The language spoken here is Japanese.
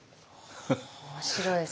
面白い。